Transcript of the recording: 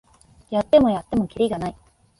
やってもやってもキリがない